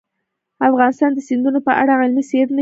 افغانستان د سیندونه په اړه علمي څېړنې لري.